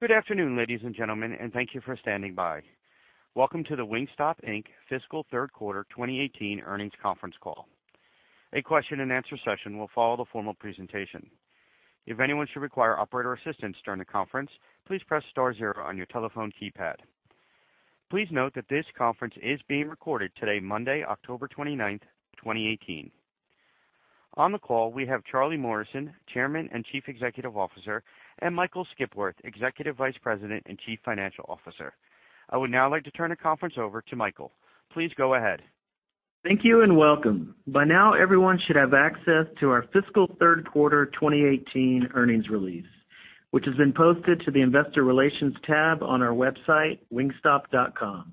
Good afternoon, ladies and gentlemen, and thank you for standing by. Welcome to the Wingstop Inc. fiscal third quarter 2018 earnings conference call. A question and answer session will follow the formal presentation. If anyone should require operator assistance during the conference, please press star zero on your telephone keypad. Please note that this conference is being recorded today, Monday, October 29th, 2018. On the call, we have Charlie Morrison, Chairman and Chief Executive Officer, and Michael Skipworth, Executive Vice President and Chief Financial Officer. I would now like to turn the conference over to Michael. Please go ahead. Thank you, and welcome. By now, everyone should have access to our fiscal third quarter 2018 earnings release, which has been posted to the investor relations tab on our website, wingstop.com.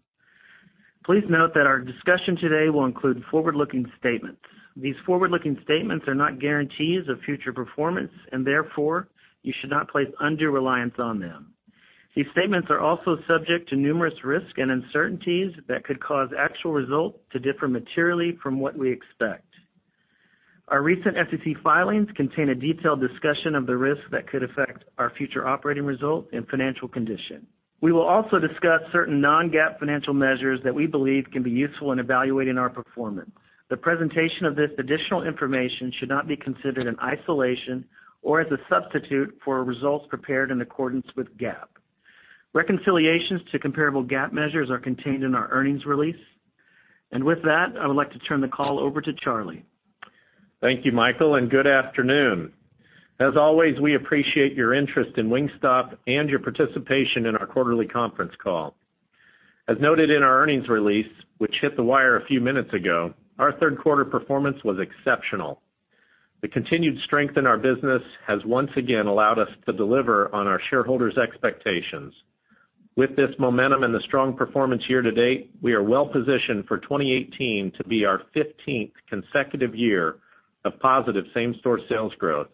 Please note that our discussion today will include forward-looking statements. These forward-looking statements are not guarantees of future performance, therefore, you should not place undue reliance on them. These statements are also subject to numerous risks and uncertainties that could cause actual results to differ materially from what we expect. Our recent SEC filings contain a detailed discussion of the risks that could affect our future operating results and financial condition. We will also discuss certain non-GAAP financial measures that we believe can be useful in evaluating our performance. The presentation of this additional information should not be considered in isolation or as a substitute for results prepared in accordance with GAAP. Reconciliations to comparable GAAP measures are contained in our earnings release. With that, I would like to turn the call over to Charlie. Thank you, Michael, and good afternoon. As always, we appreciate your interest in Wingstop and your participation in our quarterly conference call. As noted in the earnings release, which hit the wire a few minutes ago, our third quarter performance was exceptional. The continued strength in our business has once again allowed us to deliver on our shareholders' expectations. With this momentum and the strong performance year to date, we are well positioned for 2018 to be our 15th consecutive year of positive same-store sales growth,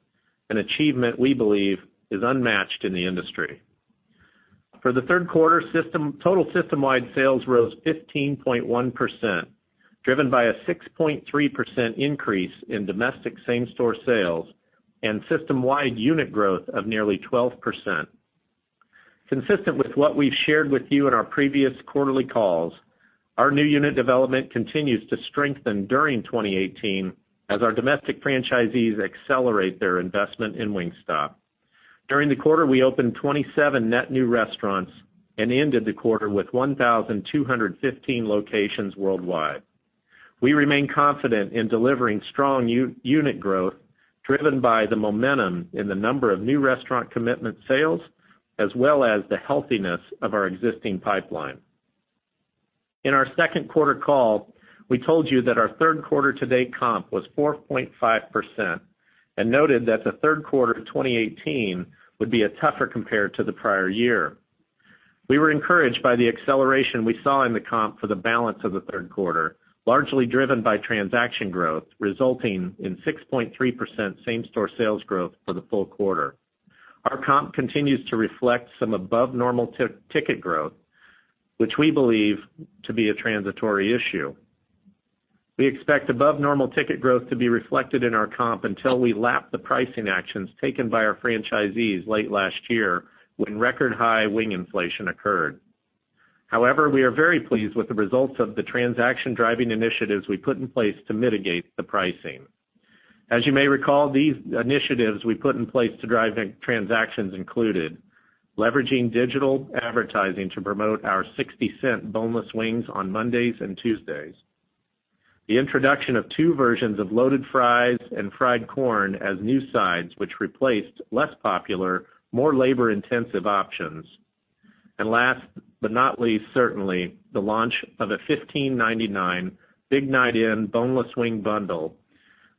an achievement we believe is unmatched in the industry. For the third quarter, total system-wide sales rose 15.1%, driven by a 6.3% increase in domestic same-store sales and system-wide unit growth of nearly 12%. Consistent with what we've shared with you in our previous quarterly calls, our new unit development continues to strengthen during 2018 as our domestic franchisees accelerate their investment in Wingstop. During the quarter, we opened 27 net new restaurants and ended the quarter with 1,215 locations worldwide. We remain confident in delivering strong unit growth driven by the momentum in the number of new restaurant commitment sales, as well as the healthiness of our existing pipeline. In our second quarter call, we told you that our third quarter to date comp was 4.5% and noted that the third quarter of 2018 would be tougher compared to the prior year. We were encouraged by the acceleration we saw in the comp for the balance of the third quarter, largely driven by transaction growth, resulting in 6.3% same-store sales growth for the full quarter. Our comp continues to reflect some above normal ticket growth, which we believe to be a transitory issue. We expect above normal ticket growth to be reflected in our comp until we lap the pricing actions taken by our franchisees late last year when record high wing inflation occurred. However, we are very pleased with the results of the transaction-driving initiatives we put in place to mitigate the pricing. As you may recall, these initiatives we put in place to drive transactions included leveraging digital advertising to promote our $0.60 boneless wings on Mondays and Tuesdays, the introduction of two versions of loaded fries and fried corn as new sides, which replaced less popular, more labor-intensive options, and last but not least, certainly, the launch of a $15.99 Big Night In Boneless Bundle,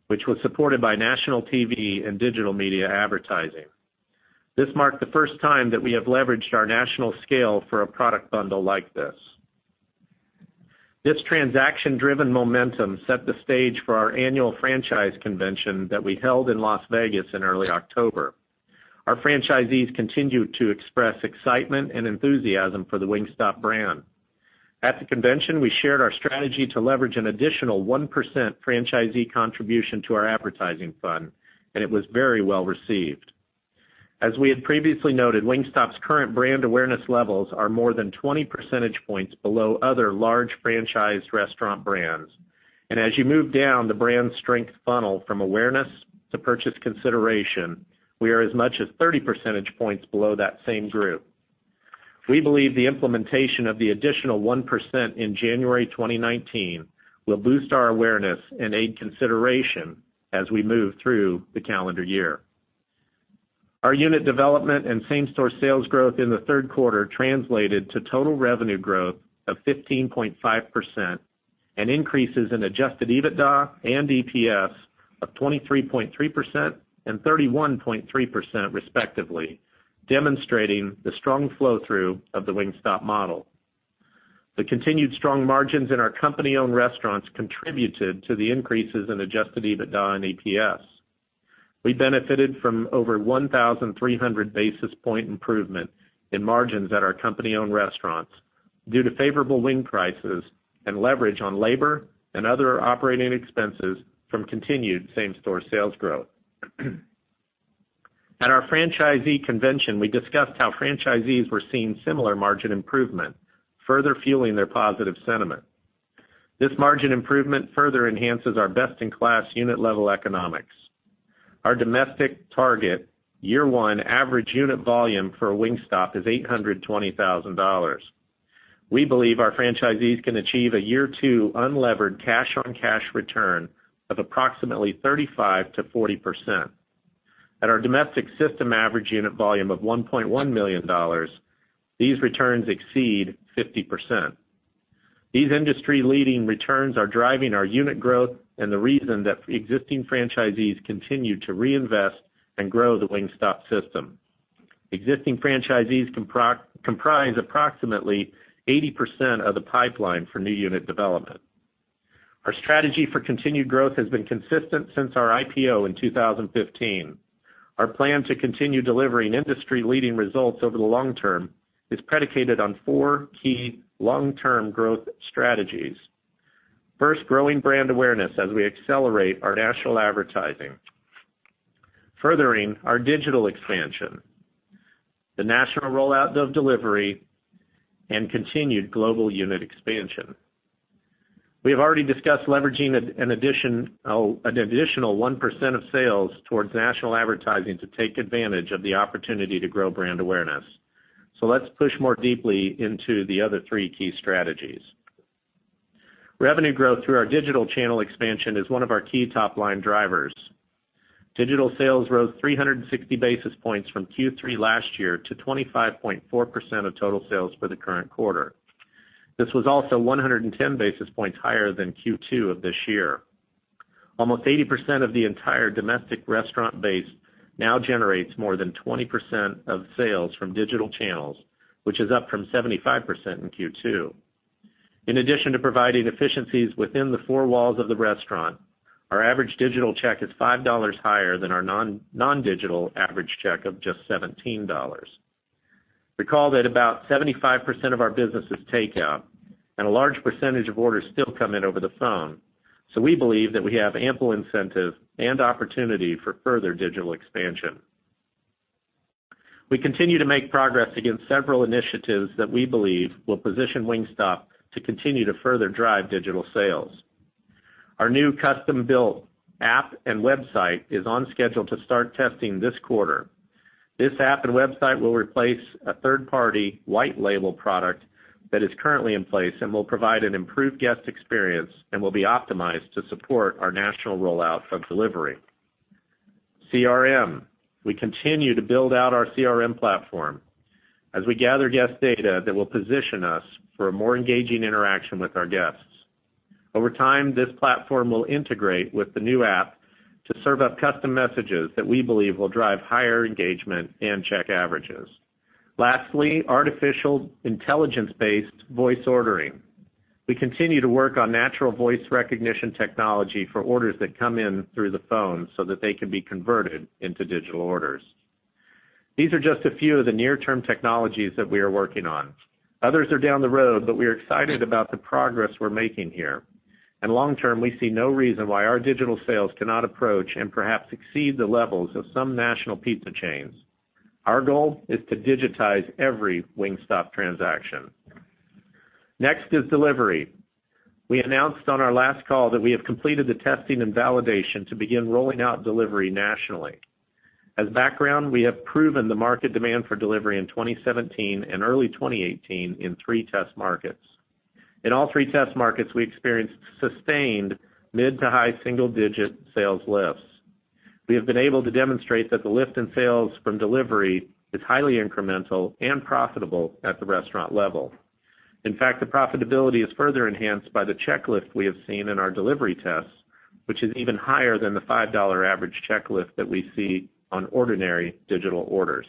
which was supported by national TV and digital media advertising. This marked the first time that we have leveraged our national scale for a product bundle like this. This transaction-driven momentum set the stage for our annual franchise convention that we held in Las Vegas in early October. Our franchisees continued to express excitement and enthusiasm for the Wingstop brand. At the convention, we shared our strategy to leverage an additional 1% franchisee contribution to our advertising fund, and it was very well received. As we had previously noted, Wingstop's current brand awareness levels are more than 20 percentage points below other large franchised restaurant brands. As you move down the brand strength funnel from awareness to purchase consideration, we are as much as 30 percentage points below that same group. We believe the implementation of the additional 1% in January 2019 will boost our awareness and aid consideration as we move through the calendar year. Our unit development and same-store sales growth in the third quarter translated to total revenue growth of 15.5% and increases in adjusted EBITDA and EPS of 23.3% and 31.3% respectively, demonstrating the strong flow-through of the Wingstop model. The continued strong margins in our company-owned restaurants contributed to the increases in adjusted EBITDA and EPS. We benefited from over 1,300 basis point improvement in margins at our company-owned restaurants due to favorable wing prices and leverage on labor and other operating expenses from continued same-store sales growth. At our franchisee convention, we discussed how franchisees were seeing similar margin improvement, further fueling their positive sentiment. This margin improvement further enhances our best-in-class unit level economics. Our domestic target year one average unit volume for a Wingstop is $820,000. We believe our franchisees can achieve a year two unlevered cash-on-cash return of approximately 35%-40%. At our domestic system average unit volume of $1.1 million, these returns exceed 50%. These industry-leading returns are driving our unit growth and the reason that existing franchisees continue to reinvest and grow the Wingstop system. Existing franchisees comprise approximately 80% of the pipeline for new unit development. Our strategy for continued growth has been consistent since our IPO in 2015. Our plan to continue delivering industry-leading results over the long term is predicated on four key long-term growth strategies. First, growing brand awareness as we accelerate our national advertising, furthering our digital expansion, the national rollout of delivery, and continued global unit expansion. We have already discussed leveraging an additional 1% of sales towards national advertising to take advantage of the opportunity to grow brand awareness. Let's push more deeply into the other three key strategies. Revenue growth through our digital channel expansion is one of our key top-line drivers. Digital sales rose 360 basis points from Q3 last year to 25.4% of total sales for the current quarter. This was also 110 basis points higher than Q2 of this year. Almost 80% of the entire domestic restaurant base now generates more than 20% of sales from digital channels, which is up from 75% in Q2. In addition to providing efficiencies within the four walls of the restaurant, our average digital check is $5 higher than our non-digital average check of just $17. Recall that about 75% of our business is takeout, and a large percentage of orders still come in over the phone. We believe that we have ample incentive and opportunity for further digital expansion. We continue to make progress against several initiatives that we believe will position Wingstop to continue to further drive digital sales. Our new custom-built app and website is on schedule to start testing this quarter. This app and website will replace a third-party white label product that is currently in place and will provide an improved guest experience and will be optimized to support our national rollout of delivery. CRM. We continue to build out our CRM platform as we gather guest data that will position us for a more engaging interaction with our guests. Over time, this platform will integrate with the new app to serve up custom messages that we believe will drive higher engagement and check averages. Lastly, artificial intelligence-based voice ordering. We continue to work on natural voice recognition technology for orders that come in through the phone so that they can be converted into digital orders. These are just a few of the near-term technologies that we are working on. Others are down the road, but we are excited about the progress we're making here. Long term, we see no reason why our digital sales cannot approach and perhaps exceed the levels of some national pizza chains. Our goal is to digitize every Wingstop transaction. Next is delivery. We announced on our last call that we have completed the testing and validation to begin rolling out delivery nationally. As background, we have proven the market demand for delivery in 2017 and early 2018 in three test markets. In all three test markets, we experienced sustained mid to high single-digit sales lifts. We have been able to demonstrate that the lift in sales from delivery is highly incremental and profitable at the restaurant level. In fact, the profitability is further enhanced by the check lift we have seen in our delivery tests, which is even higher than the $5 average check lift that we see on ordinary digital orders.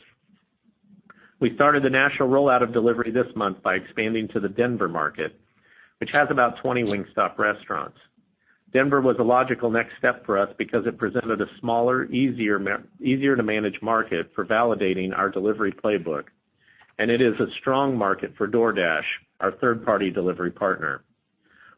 We started the national rollout of delivery this month by expanding to the Denver market, which has about 20 Wingstop restaurants. Denver was a logical next step for us because it presented a smaller, easier to manage market for validating our delivery playbook, and it is a strong market for DoorDash, our third-party delivery partner.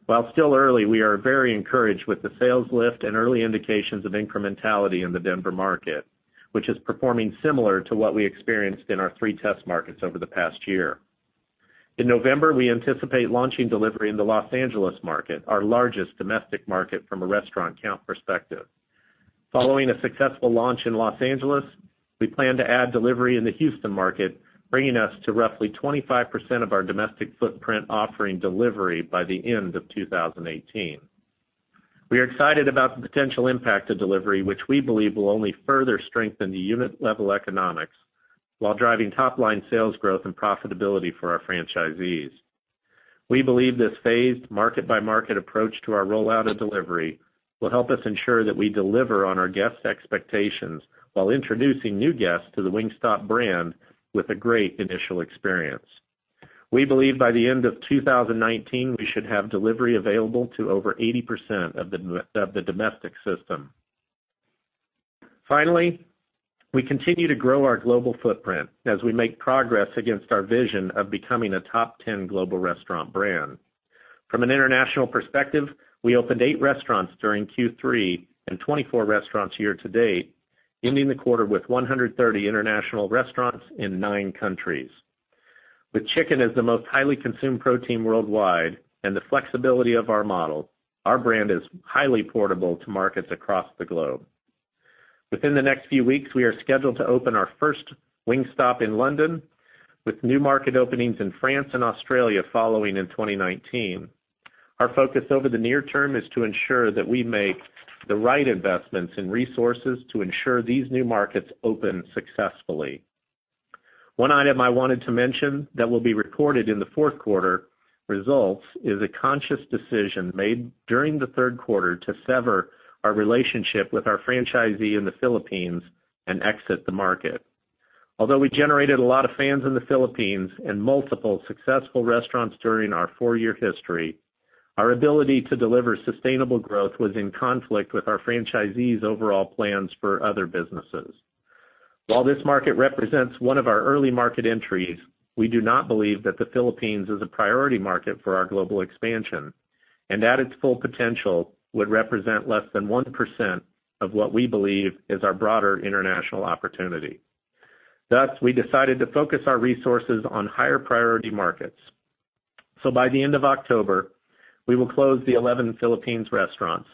While still early, we are very encouraged with the sales lift and early indications of incrementality in the Denver market, which is performing similar to what we experienced in our three test markets over the past year. In November, we anticipate launching delivery in the Los Angeles market, our largest domestic market from a restaurant count perspective. Following a successful launch in Los Angeles, we plan to add delivery in the Houston market, bringing us to roughly 25% of our domestic footprint offering delivery by the end of 2018. We are excited about the potential impact of delivery, which we believe will only further strengthen the unit level economics while driving top-line sales growth and profitability for our franchisees. We believe this phased market-by-market approach to our rollout of delivery will help us ensure that we deliver on our guests' expectations while introducing new guests to the Wingstop brand with a great initial experience. We believe by the end of 2019, we should have delivery available to over 80% of the domestic system. Finally, we continue to grow our global footprint as we make progress against our vision of becoming a top 10 global restaurant brand. From an international perspective, we opened eight restaurants during Q3 and 24 restaurants year to date, ending the quarter with 130 international restaurants in nine countries. With chicken as the most highly consumed protein worldwide and the flexibility of our model, our brand is highly portable to markets across the globe. Within the next few weeks, we are scheduled to open our first Wingstop in London, with new market openings in France and Australia following in 2019. Our focus over the near term is to ensure that we make the right investments and resources to ensure these new markets open successfully. One item I wanted to mention that will be recorded in the fourth quarter results is a conscious decision made during the third quarter to sever our relationship with our franchisee in the Philippines and exit the market. Although we generated a lot of fans in the Philippines and multiple successful restaurants during our four-year history, our ability to deliver sustainable growth was in conflict with our franchisee's overall plans for other businesses. While this market represents one of our early market entries, we do not believe that the Philippines is a priority market for our global expansion, and at its full potential, would represent less than 1% of what we believe is our broader international opportunity. Thus, we decided to focus our resources on higher priority markets. By the end of October, we will close the 11 Philippines restaurants,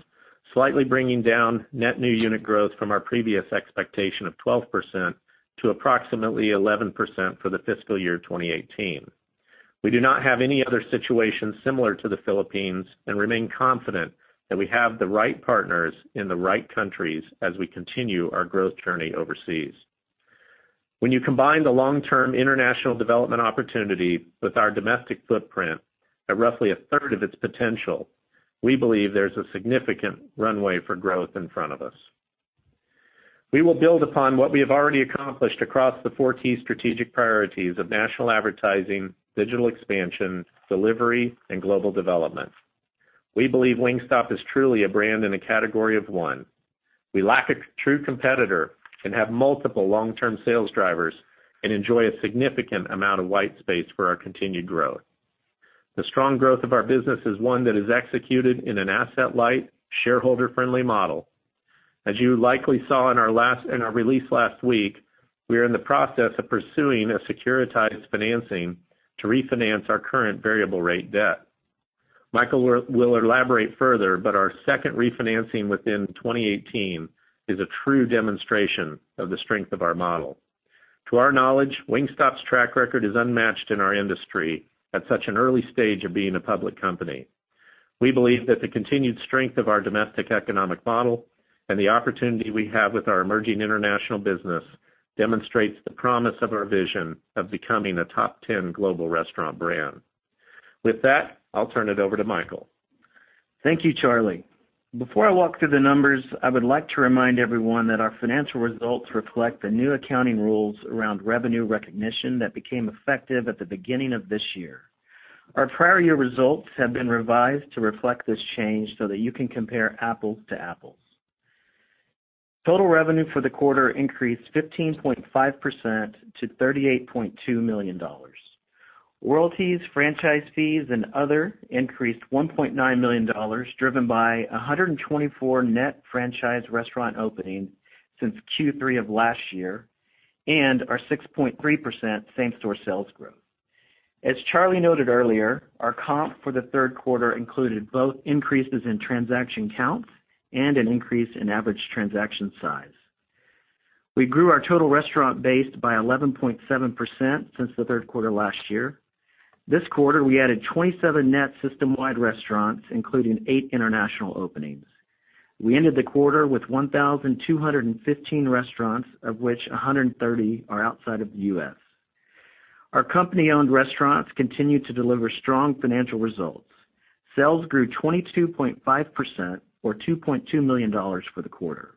slightly bringing down net new unit growth from our previous expectation of 12% to approximately 11% for the fiscal year 2018. We do not have any other situations similar to the Philippines and remain confident that we have the right partners in the right countries as we continue our growth journey overseas. When you combine the long-term international development opportunity with our domestic footprint at roughly a third of its potential, we believe there's a significant runway for growth in front of us. We will build upon what we have already accomplished across the four key strategic priorities of national advertising, digital expansion, delivery, and global development. We believe Wingstop is truly a brand and a category of one. We lack a true competitor and have multiple long-term sales drivers and enjoy a significant amount of white space for our continued growth. The strong growth of our business is one that is executed in an asset-light, shareholder-friendly model. As you likely saw in our release last week, we are in the process of pursuing a securitized financing to refinance our current variable rate debt. Michael will elaborate further, but our second refinancing within 2018 is a true demonstration of the strength of our model. To our knowledge, Wingstop's track record is unmatched in our industry at such an early stage of being a public company. We believe that the continued strength of our domestic economic model and the opportunity we have with our emerging international business demonstrates the promise of our vision of becoming a top 10 global restaurant brand. With that, I'll turn it over to Michael. Thank you, Charlie. Before I walk through the numbers, I would like to remind everyone that our financial results reflect the new accounting rules around revenue recognition that became effective at the beginning of this year. Our prior year results have been revised to reflect this change so that you can compare apples to apples. Total revenue for the quarter increased 15.5% to $38.2 million. Royalties, franchise fees, and other increased $1.9 million, driven by 124 net franchise restaurant openings since Q3 of last year and our 6.3% same-store sales growth. As Charlie noted earlier, our comp for the third quarter included both increases in transaction count and an increase in average transaction size. We grew our total restaurant base by 11.7% since the third quarter last year. This quarter, we added 27 net system-wide restaurants, including eight international openings. We ended the quarter with 1,215 restaurants, of which 130 are outside of the U.S. Our company-owned restaurants continued to deliver strong financial results. Sales grew 22.5%, or $2.2 million for the quarter.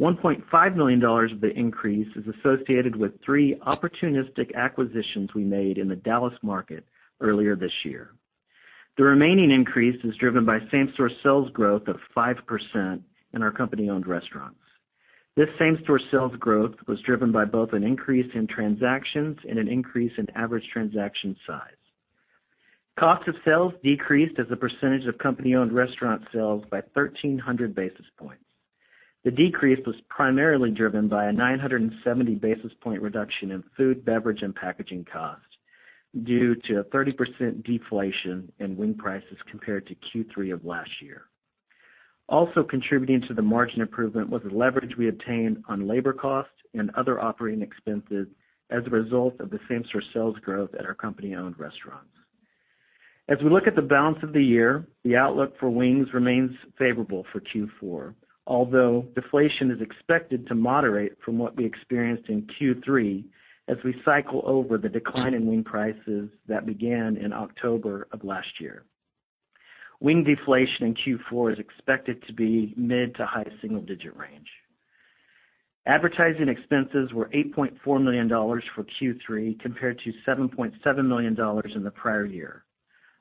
$1.5 million of the increase is associated with three opportunistic acquisitions we made in the Dallas market earlier this year. The remaining increase is driven by same-store sales growth of 5% in our company-owned restaurants. This same-store sales growth was driven by both an increase in transactions and an increase in average transaction size. Cost of sales decreased as a percentage of company-owned restaurant sales by 1,300 basis points. The decrease was primarily driven by a 970 basis point reduction in food, beverage, and packaging costs due to a 30% deflation in wing prices compared to Q3 of last year. Also contributing to the margin improvement was the leverage we obtained on labor costs and other operating expenses as a result of the same-store sales growth at our company-owned restaurants. As we look at the balance of the year, the outlook for wings remains favorable for Q4. Although deflation is expected to moderate from what we experienced in Q3 as we cycle over the decline in wing prices that began in October of last year. Wing deflation in Q4 is expected to be mid to high single-digit range. Advertising expenses were $8.4 million for Q3 compared to $7.7 million in the prior year.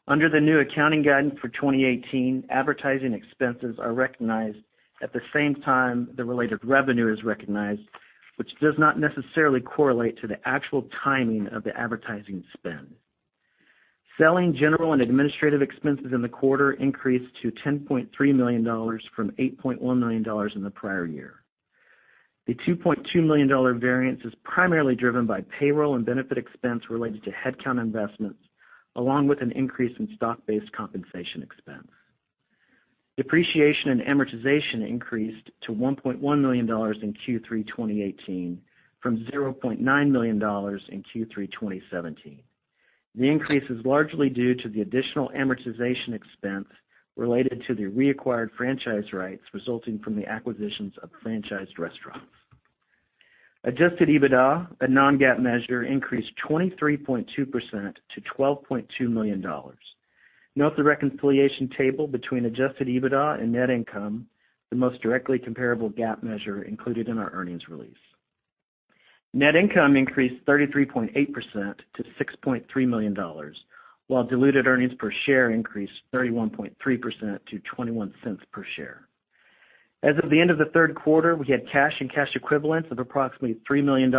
Under the new accounting guidance for 2018, advertising expenses are recognized at the same time the related revenue is recognized, which does not necessarily correlate to the actual timing of the advertising spend. Selling, general, and administrative expenses in the quarter increased to $10.3 million from $8.1 million in the prior year. The $2.2 million variance is primarily driven by payroll and benefit expense related to headcount investments, along with an increase in stock-based compensation expense. Depreciation and amortization increased to $1.1 million in Q3 2018 from $0.9 million in Q3 2017. The increase is largely due to the additional amortization expense related to the reacquired franchise rights resulting from the acquisitions of franchised restaurants. Adjusted EBITDA, a non-GAAP measure, increased 23.2% to $12.2 million. Note the reconciliation table between adjusted EBITDA and net income, the most directly comparable GAAP measure included in our earnings release. Net income increased 33.8% to $6.3 million, while diluted earnings per share increased 31.3% to $0.21 per share. As of the end of the third quarter, we had cash and cash equivalents of approximately $3 million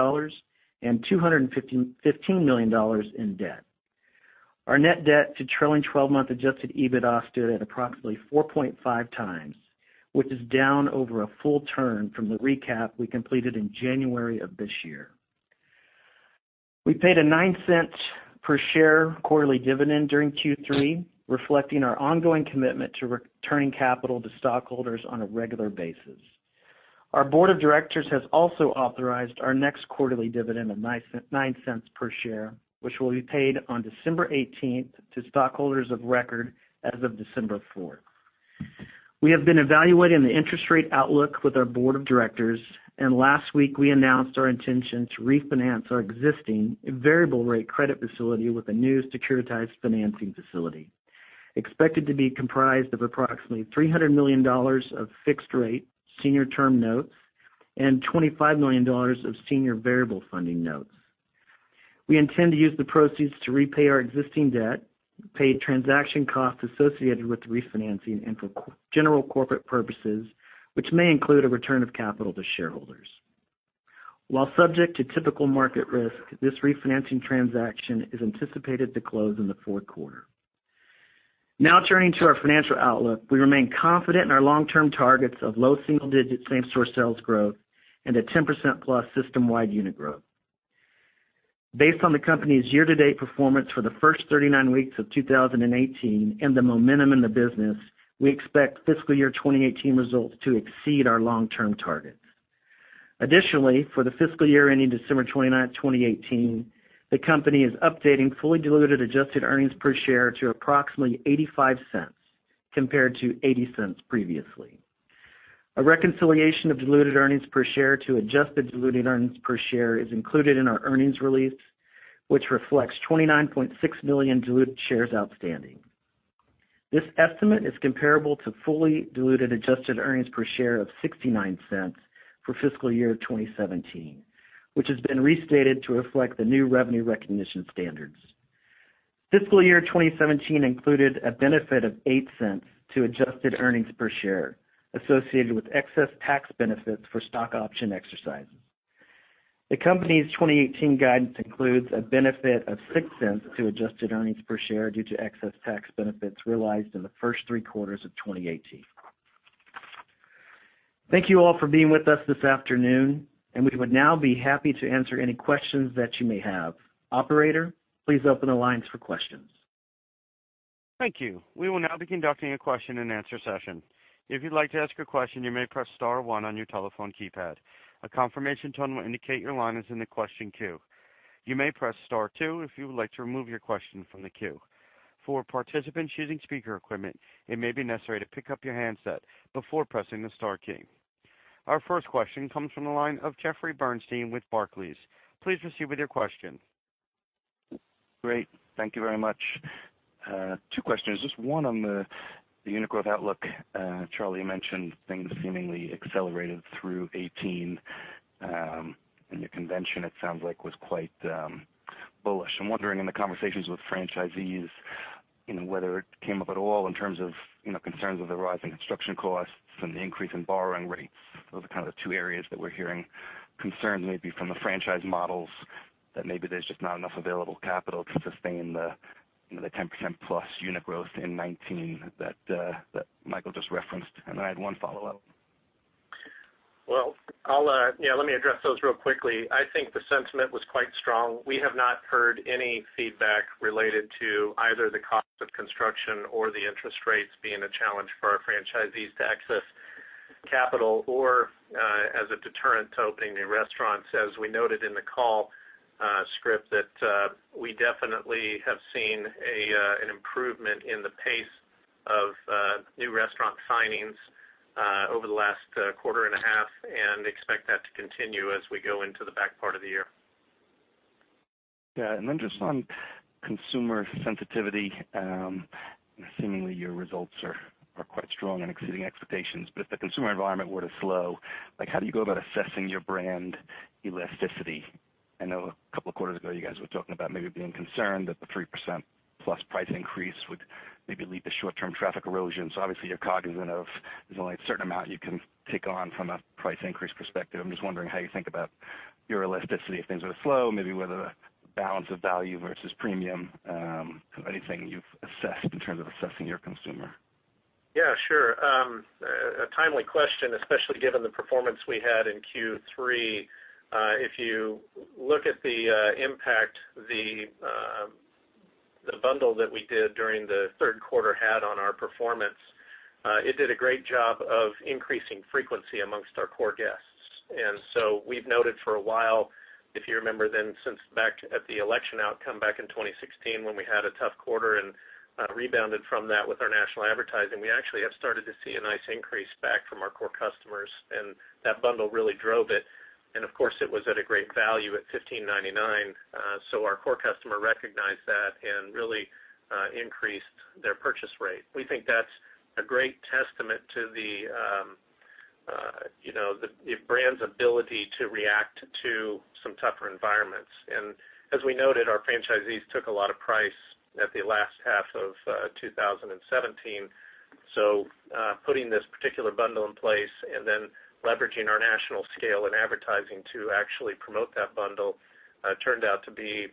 and $215 million in debt. Our net debt to trailing 12-month adjusted EBITDA stood at approximately 4.5 times, which is down over a full turn from the recap we completed in January of this year. We paid a $0.09 per share quarterly dividend during Q3, reflecting our ongoing commitment to returning capital to stockholders on a regular basis. Our board of directors has also authorized our next quarterly dividend of $0.09 per share, which will be paid on December 18th to stockholders of record as of December 4th. We have been evaluating the interest rate outlook with our board of directors. Last week we announced our intention to refinance our existing variable rate credit facility with a new securitized financing facility, expected to be comprised of approximately $300 million of fixed-rate senior term notes and $25 million of senior variable funding notes. We intend to use the proceeds to repay our existing debt, pay transaction costs associated with the refinancing, and for general corporate purposes, which may include a return of capital to shareholders. While subject to typical market risk, this refinancing transaction is anticipated to close in the fourth quarter. Now turning to our financial outlook. We remain confident in our long-term targets of low single-digit same-store sales growth and a 10%+ system-wide unit growth. Based on the company's year-to-date performance for the first 39 weeks of 2018 and the momentum in the business, we expect fiscal year 2018 results to exceed our long-term targets. Additionally, for the fiscal year ending December 29th, 2018, the company is updating fully diluted adjusted earnings per share to approximately $0.85 compared to $0.80 previously. A reconciliation of diluted earnings per share to adjusted diluted earnings per share is included in our earnings release, which reflects 29.6 million diluted shares outstanding. This estimate is comparable to fully diluted adjusted earnings per share of $0.69 for fiscal year 2017, which has been restated to reflect the new revenue recognition standards. Fiscal year 2017 included a benefit of $0.08 to adjusted earnings per share associated with excess tax benefits for stock option exercises. The company's 2018 guidance includes a benefit of $0.06 to adjusted earnings per share due to excess tax benefits realized in the first three quarters of 2018. Thank you all for being with us this afternoon. We would now be happy to answer any questions that you may have. Operator, please open the lines for questions. Thank you. We will now be conducting a question and answer session. If you'd like to ask a question, you may press star one on your telephone keypad. A confirmation tone will indicate your line is in the question queue. You may press star two if you would like to remove your question from the queue. For participants using speaker equipment, it may be necessary to pick up your handset before pressing the star key. Our first question comes from the line of Jeffrey Bernstein with Barclays. Please proceed with your question. Great. Thank you very much. Two questions. Just one on the unit growth outlook. Charlie mentioned things seemingly accelerated through 2018. The convention, it sounds like, was quite bullish. I'm wondering in the conversations with franchisees, whether it came up at all in terms of concerns with the rising construction costs and the increase in borrowing rates. Those are kind of the two areas that we're hearing concerns maybe from the franchise models, that maybe there's just not enough available capital to sustain the 10%+ unit growth in 2019 that Michael just referenced. I had one follow-up. Well, let me address those real quickly. I think the sentiment was quite strong. We have not heard any feedback related to either the cost of construction or the interest rates being a challenge for our franchisees to access capital or as a deterrent to opening new restaurants. As we noted in the call script that we definitely have seen an improvement in the pace of new restaurant signings over the last quarter and a half, and expect that to continue as we go into the back part of the year. Yeah. Then just on consumer sensitivity. Seemingly, your results are quite strong and exceeding expectations. If the consumer environment were to slow, how do you go about assessing your brand elasticity? I know a couple of quarters ago, you guys were talking about maybe being concerned that the 3%+ price increase would maybe lead to short-term traffic erosion. Obviously, you're cognizant of, there's only a certain amount you can take on from a price increase perspective. I'm just wondering how you think about your elasticity if things were to slow, maybe whether the balance of value versus premium, anything you've assessed in terms of assessing your consumer. Yeah, sure. A timely question, especially given the performance we had in Q3. If you look at the impact, the bundle that we did during the third quarter had on our performance, it did a great job of increasing frequency amongst our core guests. So we've noted for a while, if you remember then, since back at the election outcome back in 2016, when we had a tough quarter and rebounded from that with our national advertising, we actually have started to see a nice increase back from our core customers, and that bundle really drove it. Of course, it was at a great value at $15.99, so our core customer recognized that and really increased their purchase rate. We think that's a great testament to the brand's ability to react to some tougher environments. As we noted, our franchisees took a lot of price at the last half of 2017. Putting this particular bundle in place and then leveraging our national scale and advertising to actually promote that bundle turned out to be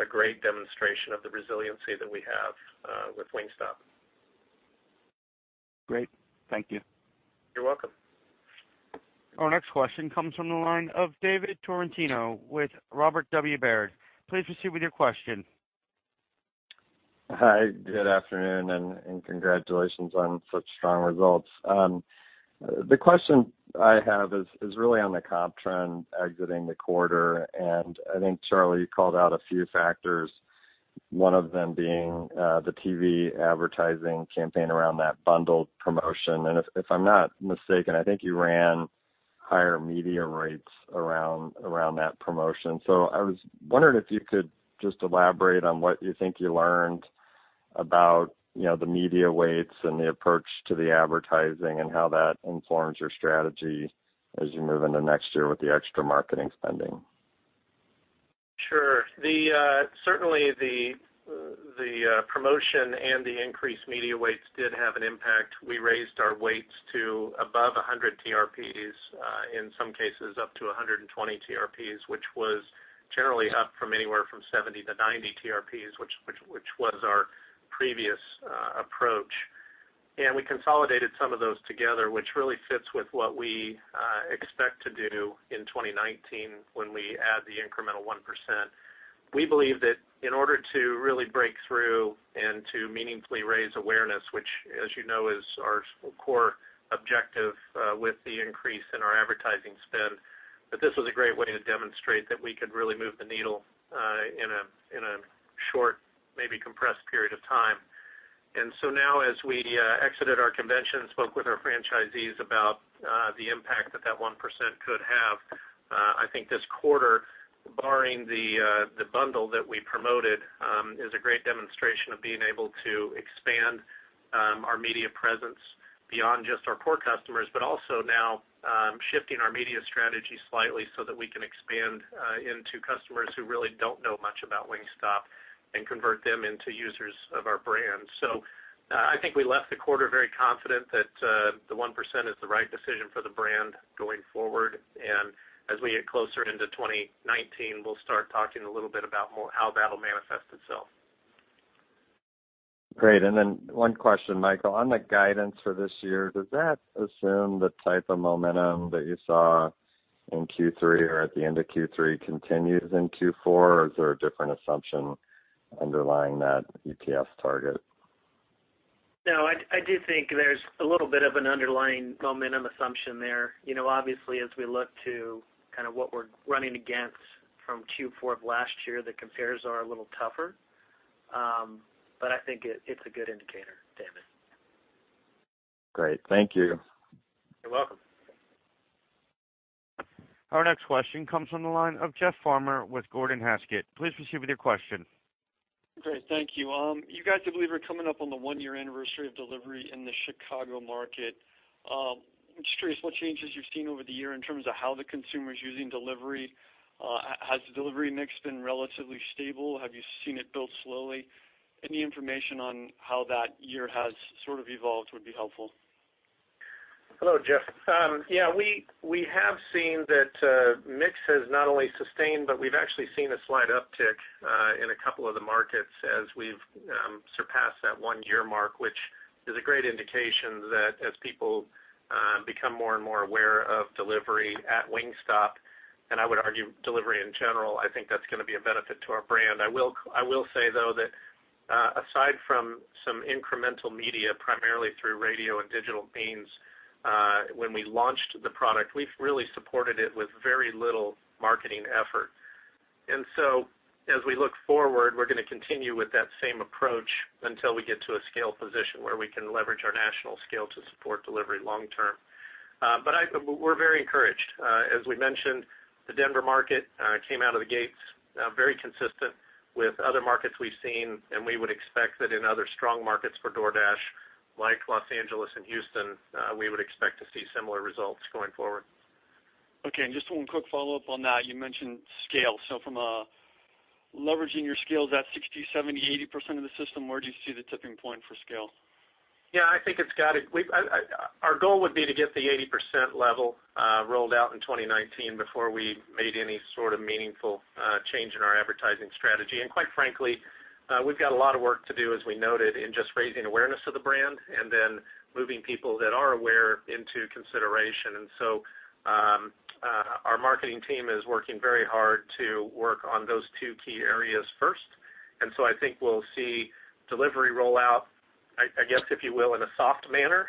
a great demonstration of the resiliency that we have with Wingstop. Great. Thank you. You're welcome. Our next question comes from the line of David Tarantino with Robert W. Baird. Please proceed with your question. Hi, good afternoon. Congratulations on such strong results. The question I have is really on the comp trend exiting the quarter. I think, Charlie, you called out a few factors, one of them being the TV advertising campaign around that bundled promotion. If I'm not mistaken, I think you ran higher media rates around that promotion. I was wondering if you could just elaborate on what you think you learned about the media weights and the approach to the advertising and how that informs your strategy as you move into next year with the extra marketing spending. Sure. Certainly, the promotion and the increased media weights did have an impact. We raised our weights to above 100 TRPs, in some cases up to 120 TRPs, which was generally up from anywhere from 70 to 90 TRPs, which was our previous approach. We consolidated some of those together, which really fits with what we expect to do in 2019 when we add the incremental 1%. We believe that in order to really break through and to meaningfully raise awareness, which as you know is our core objective with the increase in our advertising spend. This was a great way to demonstrate that we could really move the needle in a short, maybe compressed period of time. Now as we exited our convention, spoke with our franchisees about the impact that that 1% could have, I think this quarter, barring the bundle that we promoted, is a great demonstration of being able to expand our media presence beyond just our core customers, also now shifting our media strategy slightly so that we can expand into customers who really don't know much about Wingstop and convert them into users of our brand. I think we left the quarter very confident that the 1% is the right decision for the brand going forward. As we get closer into 2019, we'll start talking a little bit about how that'll manifest itself. Great. One question, Michael, on the guidance for this year, does that assume the type of momentum that you saw in Q3 or at the end of Q3 continues in Q4, or is there a different assumption underlying that EPS target? No, I do think there's a little bit of an underlying momentum assumption there. Obviously, as we look to what we're running against from Q4 of last year, the compares are a little tougher. I think it's a good indicator, David. Great. Thank you. You're welcome. Our next question comes from the line of Jeff Farmer with Gordon Haskett. Please proceed with your question. Great. Thank you. You guys, I believe, are coming up on the one-year anniversary of delivery in the Chicago market. I'm just curious what changes you've seen over the year in terms of how the consumer is using delivery. Has the delivery mix been relatively stable? Have you seen it build slowly? Any information on how that year has evolved would be helpful. Hello, Jeff. Yeah, we have seen that mix has not only sustained, but we've actually seen a slight uptick in a couple of the markets as we've surpassed that one-year mark, which is a great indication that as people become more and more aware of delivery at Wingstop, and I would argue delivery in general, I think that's going to be a benefit to our brand. I will say, though, that aside from some incremental media, primarily through radio and digital means, when we launched the product, we've really supported it with very little marketing effort. As we look forward, we're going to continue with that same approach until we get to a scale position where we can leverage our national scale to support delivery long term. We're very encouraged. As we mentioned, the Denver market came out of the gates very consistent with other markets we've seen. We would expect that in other strong markets for DoorDash, like Los Angeles and Houston, we would expect to see similar results going forward. Okay, just one quick follow-up on that. You mentioned scale. From a leveraging your scale, is that 60%, 70%, 80% of the system? Where do you see the tipping point for scale? Yeah, our goal would be to get the 80% level rolled out in 2019 before we made any sort of meaningful change in our advertising strategy. Quite frankly, we've got a lot of work to do, as we noted, in just raising awareness of the brand and then moving people that are aware into consideration. Our marketing team is working very hard to work on those two key areas first. I think we'll see delivery roll out, I guess, if you will, in a soft manner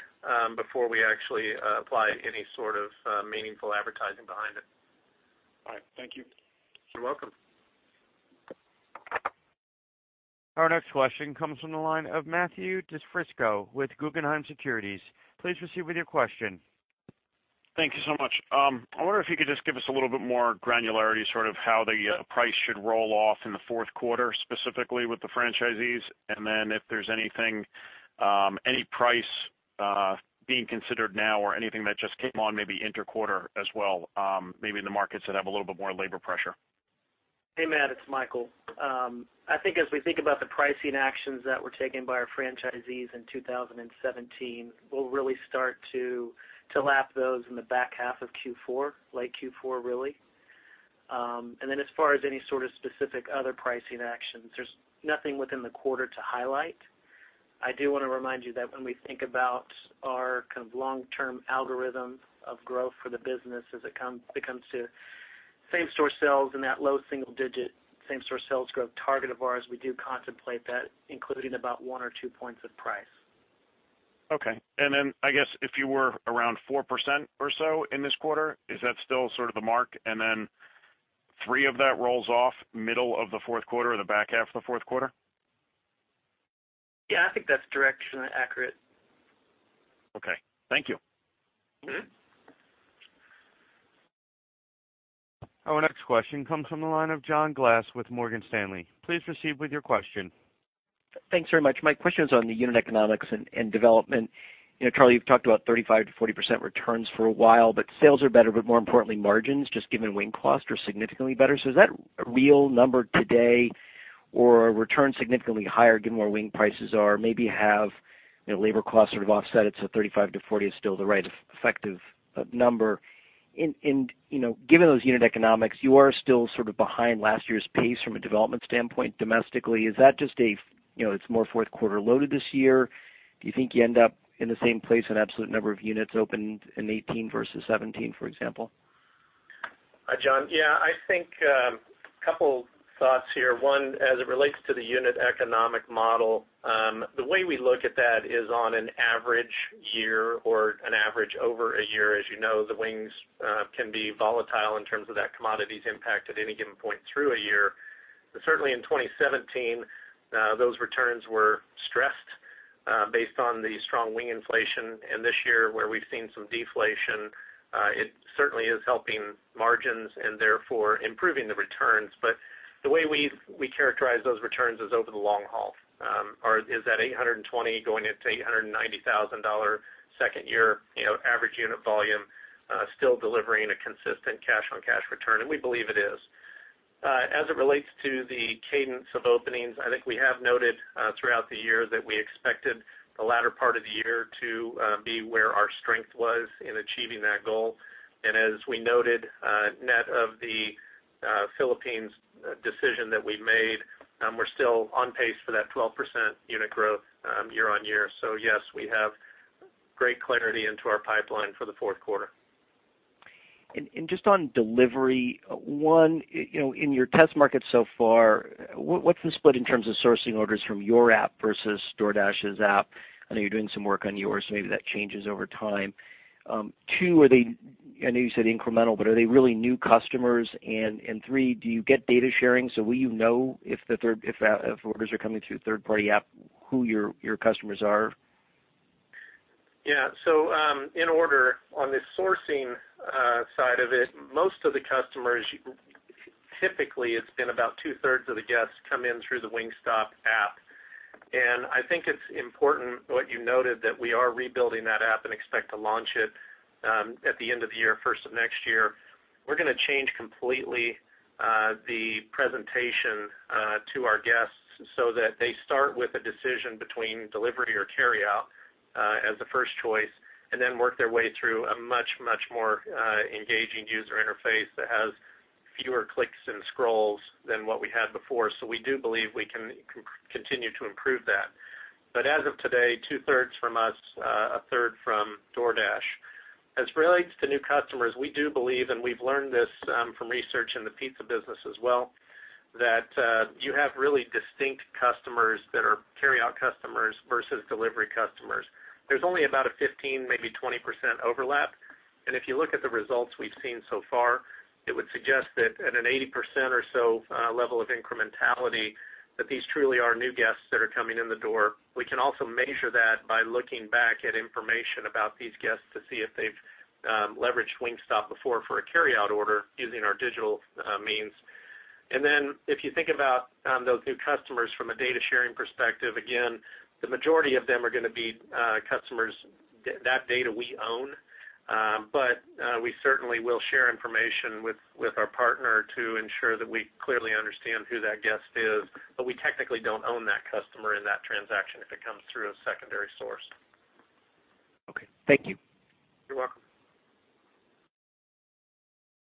before we actually apply any sort of meaningful advertising behind it. All right. Thank you. You're welcome. Our next question comes from the line of Matthew DiFrisco with Guggenheim Securities. Please proceed with your question. Thank you so much. I wonder if you could just give us a little bit more granularity, how the price should roll off in the fourth quarter, specifically with the franchisees, then if there's any price being considered now or anything that just came on maybe inter-quarter as well, maybe in the markets that have a little bit more labor pressure. Hey, Matthew, it's Michael. I think as we think about the pricing actions that were taken by our franchisees in 2017, we'll really start to lap those in the back half of Q4, late Q4, really. As far as any sort of specific other pricing actions, there's nothing within the quarter to highlight. I do want to remind you that when we think about our long-term algorithm of growth for the business as it comes to same-store sales and that low single-digit same-store sales growth target of ours, we do contemplate that, including about one or two points of price. Okay. I guess if you were around 4% or so in this quarter, is that still sort of the mark? Three of that rolls off middle of the fourth quarter or the back half of the fourth quarter? Yeah, I think that's directionally accurate. Okay. Thank you. Our next question comes from the line of John Glass with Morgan Stanley. Please proceed with your question. Thanks very much. My question is on the unit economics and development. Charlie, you've talked about 35%-40% returns for a while, but sales are better, but more importantly, margins, just given wing costs, are significantly better. Is that a real number today, or are returns significantly higher given where wing prices are? Maybe have labor costs sort of offset it, so 35%-40% is still the right effective number. Given those unit economics, you are still behind last year's pace from a development standpoint domestically. Is that just a, it's more fourth quarter loaded this year? Do you think you end up in the same place in absolute number of units opened in 2018 versus 2017, for example? Hi, John. Yeah, I think a couple thoughts here. One, as it relates to the unit economic model, the way we look at that is on an average year or an average over a year. As you know, the wings can be volatile in terms of that commodity's impact at any given point through a year. Certainly in 2017, those returns were stressed based on the strong wing inflation. This year, where we've seen some deflation, it certainly is helping margins and therefore improving the returns. The way we characterize those returns is over the long haul. Is that $820 going into $890,000 second year average unit volume still delivering a consistent cash-on-cash return? We believe it is. As it relates to the cadence of openings, I think we have noted throughout the year that we expected the latter part of the year to be where our strength was in achieving that goal. As we noted, net of the Philippines decision that we made, we're still on pace for that 12% unit growth year-on-year. Yes, we have great clarity into our pipeline for the fourth quarter. Just on delivery, one, in your test market so far, what's the split in terms of sourcing orders from your app versus DoorDash's app? I know you're doing some work on yours, so maybe that changes over time. Two, I know you said incremental, but are they really new customers? Three, do you get data sharing? Will you know if orders are coming through a third-party app, who your customers are? In order, on the sourcing side of it, most of the customers, typically it's been about two-thirds of the guests come in through the Wingstop app. I think it's important what you noted that we are rebuilding that app and expect to launch it at the end of the year, first of next year. We're going to change completely the presentation to our guests so that they start with a decision between delivery or carryout as a first choice, and then work their way through a much, much more engaging user interface that has fewer clicks and scrolls than what we had before. We do believe we can continue to improve that. As of today, two-thirds from us, a third from DoorDash. As it relates to new customers, we do believe, and we've learned this from research in the pizza business as well, that you have really distinct customers that are carryout customers versus delivery customers. There's only about a 15%, maybe 20% overlap. If you look at the results we've seen so far, it would suggest that at an 80% or so level of incrementality, that these truly are new guests that are coming in the door. We can also measure that by looking back at information about these guests to see if they've leveraged Wingstop before for a carryout order using our digital means. If you think about those new customers from a data sharing perspective, again, the majority of them are going to be customers, that data we own. We certainly will share information with our partner to ensure that we clearly understand who that guest is, but we technically don't own that customer in that transaction if it comes through a secondary source. Okay. Thank you. You're welcome.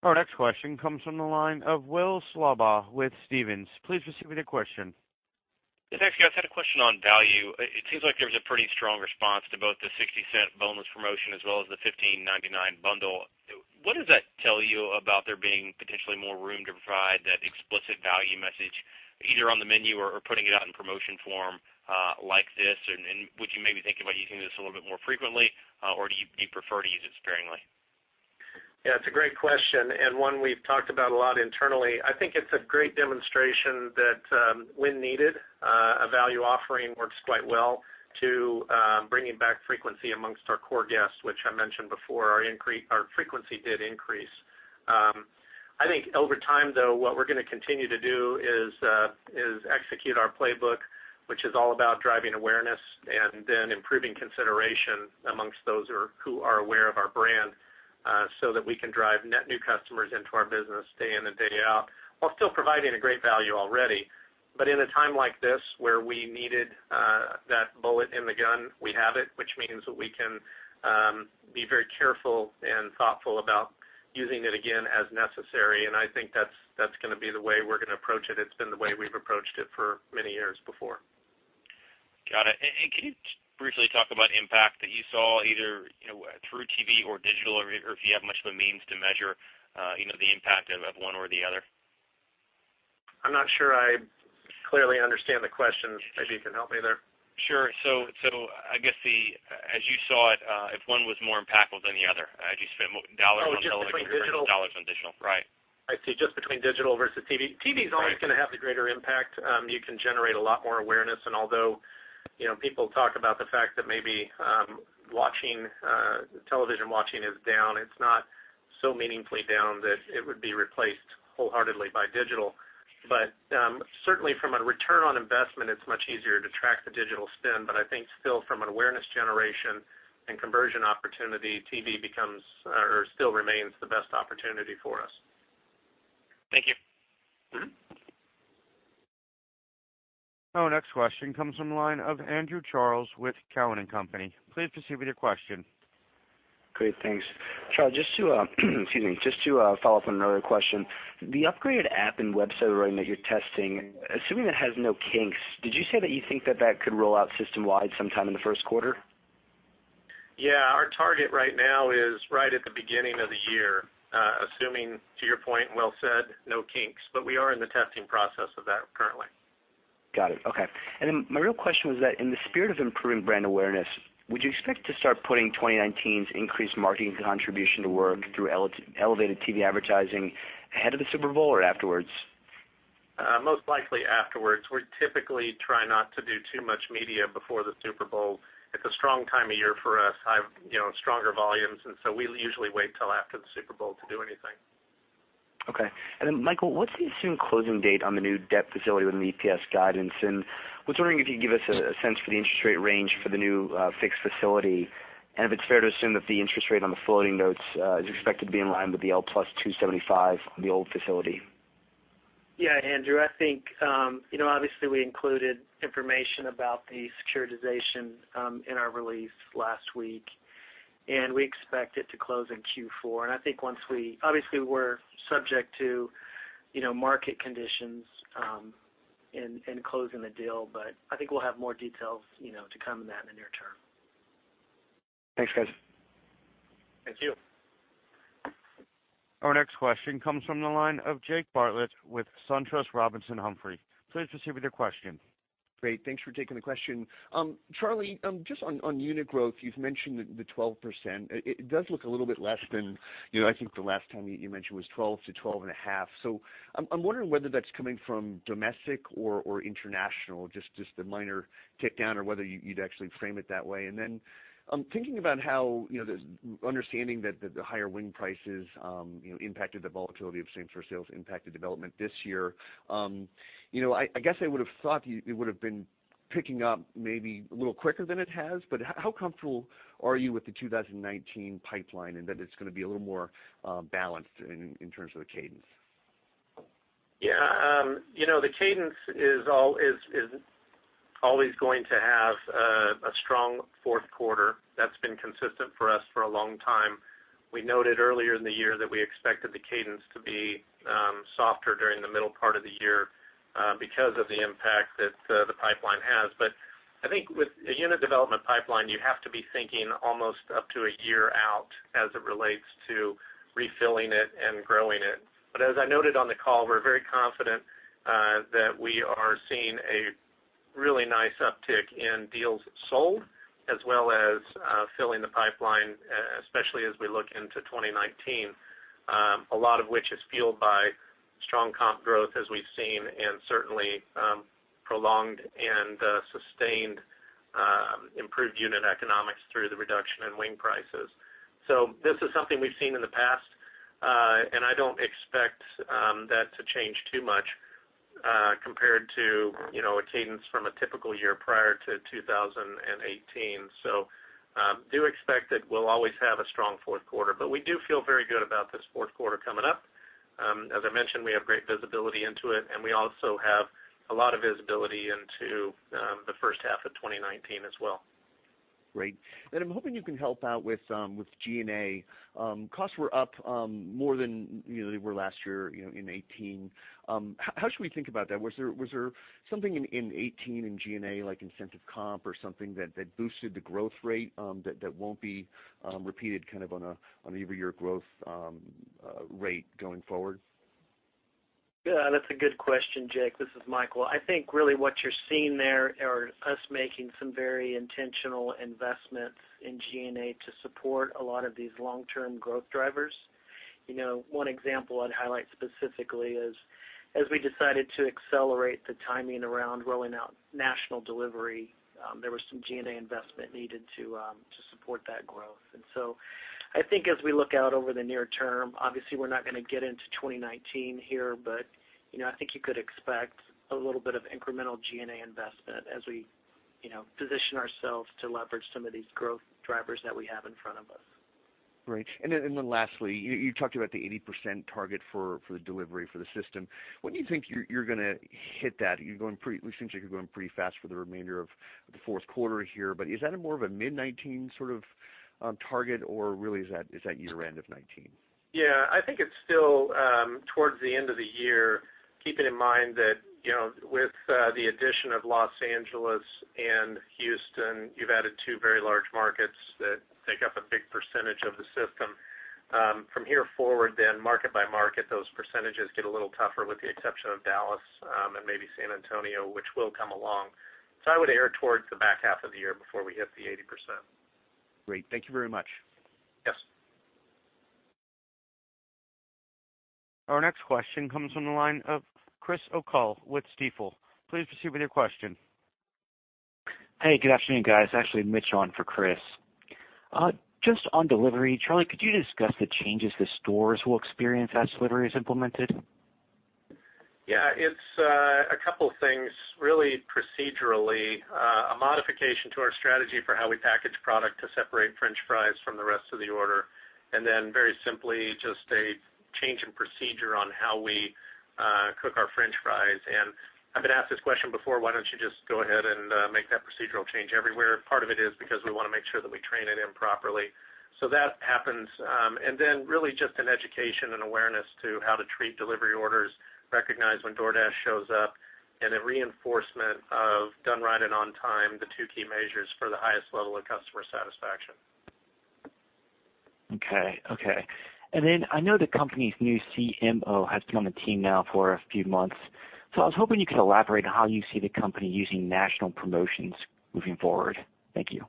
Our next question comes from the line of Will Slabaugh with Stephens. Please proceed with your question. Yes, thanks. Guys, had a question on value. It seems like there was a pretty strong response to both the $0.60 boneless promotion as well as the $15.99 bundle. What does that tell you about there being potentially more room to provide that explicit value message, either on the menu or putting it out in promotion form like this? Would you maybe think about using this a little bit more frequently? Do you prefer to use it sparingly? It's a great question, one we've talked about a lot internally. I think it's a great demonstration that when needed, a value offering works quite well to bringing back frequency amongst our core guests, which I mentioned before, our frequency did increase. I think over time, though, what we're going to continue to do is execute our playbook, which is all about driving awareness and then improving consideration amongst those who are aware of our brand, so that we can drive net new customers into our business day in and day out while still providing a great value already. In a time like this, where we needed that bullet in the gun, we have it, which means that we can be very careful and thoughtful about using it again as necessary, and I think that's going to be the way we're going to approach it. It's been the way we've approached it for many years before. Got it. Can you briefly talk about impact that you saw either through TV or digital or if you have much of a means to measure the impact of one or the other? I'm not sure I clearly understand the question. Maybe you can help me there. Sure. I guess as you saw it, if one was more impactful than the other. Had you spent more dollars on television- Oh, just between digital- More dollars on digital. Right. I see. Just between digital versus TV. TV is always- Right Going to have the greater impact. You can generate a lot more awareness. Although people talk about the fact that maybe television watching is down, it's not so meaningfully down that it would be replaced wholeheartedly by digital. Certainly from a return on investment, it's much easier to track the digital spend. I think still from an awareness generation and conversion opportunity, TV still remains the best opportunity for us. Thank you. Our next question comes from the line of Andrew Charles with Cowen and Company. Please proceed with your question. Great, thanks. Charlie, just to follow up on another question. The upgraded app and website that you're testing, assuming it has no kinks, did you say that you think that that could roll out system-wide sometime in the first quarter? Yeah. Our target right now is right at the beginning of the year, assuming, to your point, well said, no kinks. We are in the testing process of that currently. Got it. Okay. My real question was that in the spirit of improving brand awareness, would you expect to start putting 2019's increased margin contribution to work through elevated TV advertising ahead of the Super Bowl or afterwards? Most likely afterwards. We typically try not to do too much media before the Super Bowl. It's a strong time of year for us, stronger volumes, we usually wait till after the Super Bowl to do anything. Okay. Michael, what's the assumed closing date on the new debt facility with an EPS guidance? Was wondering if you could give us a sense for the interest rate range for the new fixed facility, and if it's fair to assume that the interest rate on the floating notes is expected to be in line with the L plus 275 on the old facility. Yeah, Andrew, I think, obviously we included information about the securitization in our release last week, we expect it to close in Q4. I think obviously we're subject to market conditions in closing the deal, but I think we'll have more details to come on that in the near term. Thanks, guys. Thank you. Our next question comes from the line of Jake Bartlett with SunTrust Robinson Humphrey. Please proceed with your question. Great. Thanks for taking the question. Charlie, just on unit growth, you've mentioned the 12%. It does look a little bit less than I think the last time that you mentioned was 12% to 12.5%. I'm wondering whether that's coming from domestic or international, just the minor tick down or whether you'd actually frame it that way. Thinking about how, understanding that the higher wing prices impacted the volatility of same-store sales impacted development this year. I guess I would've thought it would've been picking up maybe a little quicker than it has, but how comfortable are you with the 2019 pipeline and that it's going to be a little more balanced in terms of the cadence? Yeah. The cadence is always going to have a strong fourth quarter. That's been consistent for us for a long time. We noted earlier in the year that we expected the cadence to be softer during the middle part of the year because of the impact that the pipeline has. I think with the unit development pipeline, you have to be thinking almost up to a year out as it relates to refilling it and growing it. As I noted on the call, we're very confident that we are seeing a really nice uptick in deals sold, as well as filling the pipeline, especially as we look into 2019. A lot of which is fueled by strong comp growth as we've seen, and certainly prolonged and sustained improved unit economics through the reduction in wing prices. This is something we've seen in the past, and I don't expect that to change too much compared to a cadence from a typical year prior to 2018. Do expect that we'll always have a strong fourth quarter. We do feel very good about this fourth quarter coming up. As I mentioned, we have great visibility into it, and we also have a lot of visibility into the first half of 2019 as well. Great. I'm hoping you can help out with G&A. Costs were up more than they were last year in 2018. How should we think about that? Was there something in 2018 in G&A, like incentive comp or something, that boosted the growth rate that won't be repeated on a year-over-year growth rate going forward? Yeah, that's a good question, Jake. This is Michael. I think really what you're seeing there are us making some very intentional investments in G&A to support a lot of these long-term growth drivers. One example I'd highlight specifically is as we decided to accelerate the timing around rolling out national delivery, there was some G&A investment needed to support that growth. I think as we look out over the near term, obviously we're not going to get into 2019 here, but I think you could expect a little bit of incremental G&A investment as we position ourselves to leverage some of these growth drivers that we have in front of us. Great. Lastly, you talked about the 80% target for the delivery for the system. When do you think you're going to hit that? It seems like you're going pretty fast for the remainder of the fourth quarter here, but is that a more of a mid 2019 sort of target, or really is that year-end of 2019? Yeah, I think it's still towards the end of the year. Keeping in mind that with the addition of Los Angeles and Houston, you've added two very large markets that take up a big percentage of the system. From here forward then, market by market, those percentages get a little tougher, with the exception of Dallas and maybe San Antonio, which will come along. I would err towards the back half of the year before we hit the 80%. Great. Thank you very much. Yes. Our next question comes from the line of Chris O'Cull with Stifel. Please proceed with your question. Hey, good afternoon, guys. Actually, Mitch on for Chris. Just on delivery, Charlie, could you discuss the changes the stores will experience as delivery is implemented? Yeah, it's a couple things really procedurally. A modification to our strategy for how we package product to separate french fries from the rest of the order, then very simply, just a change in procedure on how we cook our french fries. I've been asked this question before, why don't you just go ahead and make that procedural change everywhere? Part of it is because we want to make sure that we train it in properly. That happens. Then really just an education and awareness to how to treat delivery orders, recognize when DoorDash shows up, and a reinforcement of done right and on time, the two key measures for the highest level of customer satisfaction. Okay. Then I know the company's new CMO has been on the team now for a few months. I was hoping you could elaborate on how you see the company using national promotions moving forward. Thank you.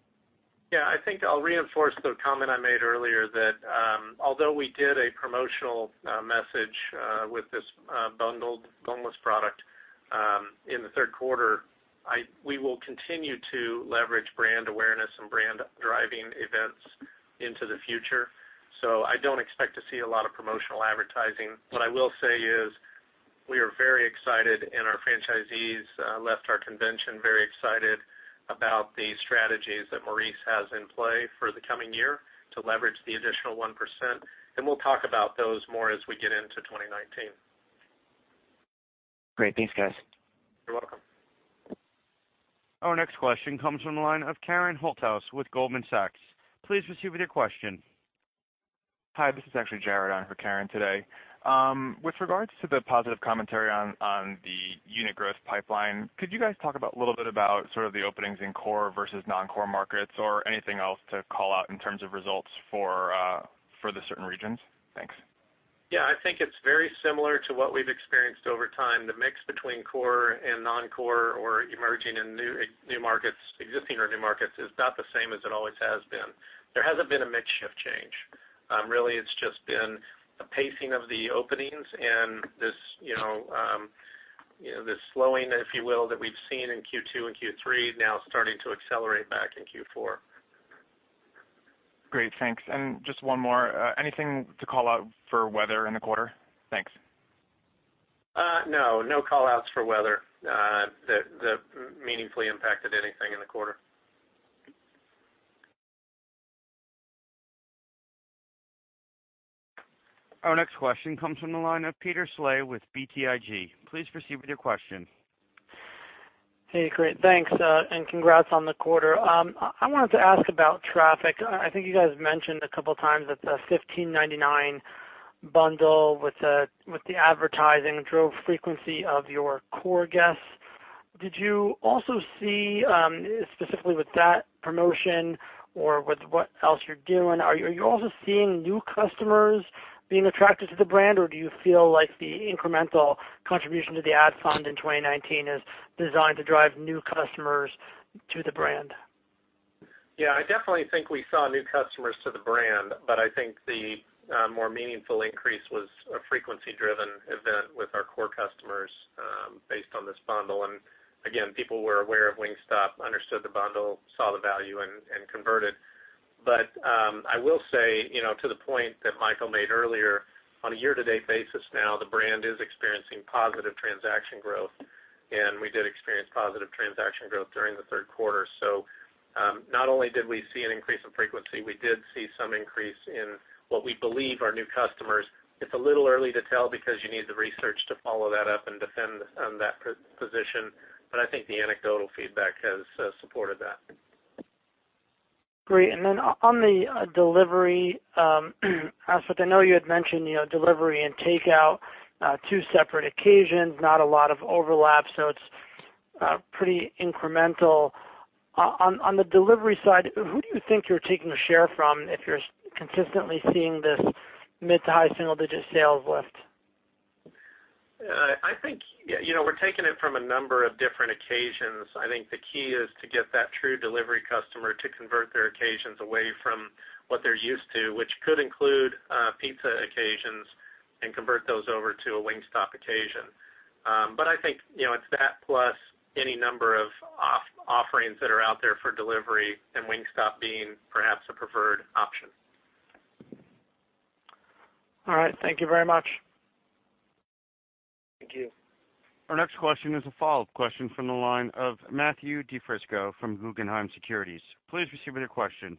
I think I'll reinforce the comment I made earlier that although we did a promotional message with this bundled boneless product in the third quarter, we will continue to leverage brand awareness and brand driving events into the future. I don't expect to see a lot of promotional advertising. What I will say is we are very excited, and our franchisees left our convention very excited about the strategies that Maurice has in play for the coming year to leverage the additional 1%, and we'll talk about those more as we get into 2019. Great. Thanks, guys. You're welcome. Our next question comes from the line of Karen Holthouse with Goldman Sachs. Please proceed with your question. Hi, this is actually Jared on for Karen today. With regards to the positive commentary on the unit growth pipeline, could you guys talk a little bit about sort of the openings in core versus non-core markets or anything else to call out in terms of results for the certain regions? Thanks. Yeah, I think it's very similar to what we've experienced over time. The mix between core and non-core or emerging and new markets, existing or new markets, is about the same as it always has been. There hasn't been a mix shift change. Really, it's just been a pacing of the openings and this slowing, if you will, that we've seen in Q2 and Q3 now starting to accelerate back in Q4. Great, thanks. Just one more. Anything to call out for weather in the quarter? Thanks. No. No call-outs for weather that meaningfully impacted anything in the quarter. Our next question comes from the line of Peter Saleh with BTIG. Please proceed with your question. Hey, great. Thanks, congrats on the quarter. I wanted to ask about traffic. I think you guys mentioned a couple times that the $15.99 bundle with the advertising drove frequency of your core guests. Did you also see, specifically with that promotion or with what else you're doing, are you also seeing new customers being attracted to the brand, or do you feel like the incremental contribution to the ad fund in 2019 is designed to drive new customers to the brand? I definitely think we saw new customers to the brand, I think the more meaningful increase was a frequency driven event with our core customers based on this bundle. Again, people were aware of Wingstop, understood the bundle, saw the value, and converted. I will say, to the point that Michael made earlier, on a year-to-date basis now, the brand is experiencing positive transaction growth, we did experience positive transaction growth during the third quarter. Not only did we see an increase in frequency, we did see some increase in what we believe are new customers. It's a little early to tell because you need the research to follow that up and defend that position. I think the anecdotal feedback has supported that. Great. On the delivery aspect, I know you had mentioned delivery and takeout, two separate occasions, not a lot of overlap, it's pretty incremental. On the delivery side, who do you think you're taking a share from if you're consistently seeing this mid to high single-digit sales lift? I think we're taking it from a number of different occasions. I think the key is to get that true delivery customer to convert their occasions away from what they're used to, which could include pizza occasions, and convert those over to a Wingstop occasion. I think it's that plus any number of offerings that are out there for delivery and Wingstop being perhaps a preferred option. All right. Thank you very much. Thank you. Our next question is a follow-up question from the line of Matthew DiFrisco from Guggenheim Securities. Please proceed with your question.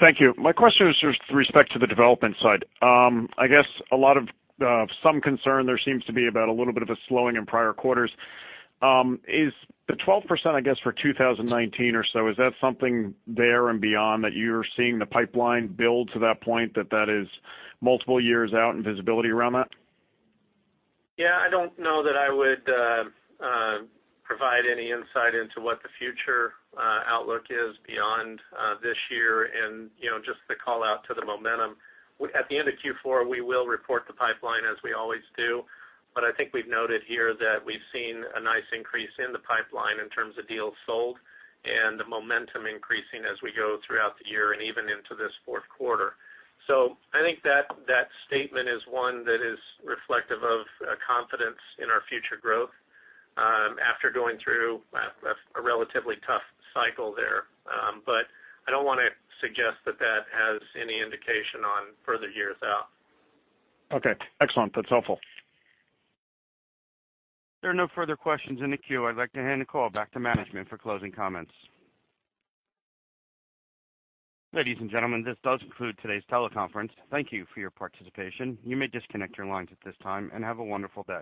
Thank you. My question is with respect to the development side. I guess some concern there seems to be about a little bit of a slowing in prior quarters. Is the 12%, I guess, for 2019 or so, is that something there and beyond that you're seeing the pipeline build to that point, that that is multiple years out and visibility around that? Yeah, I don't know that I would provide any insight into what the future outlook is beyond this year and just the callout to the momentum. At the end of Q4, we will report the pipeline as we always do. I think we've noted here that we've seen a nice increase in the pipeline in terms of deals sold and the momentum increasing as we go throughout the year and even into this fourth quarter. I think that statement is one that is reflective of confidence in our future growth after going through a relatively tough cycle there. I don't want to suggest that that has any indication on further years out. Okay. Excellent. That's helpful. There are no further questions in the queue. I'd like to hand the call back to management for closing comments. Ladies and gentlemen, this does conclude today's teleconference. Thank you for your participation. You may disconnect your lines at this time, and have a wonderful day.